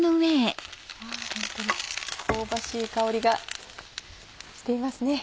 ホントに香ばしい香りがしていますね。